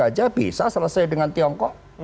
aja bisa selesai dengan tiongkok